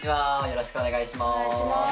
よろしくお願いします。